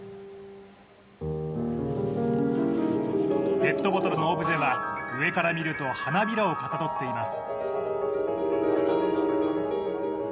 ペットボトルのオブジェは上から見ると花びらをかたどっています。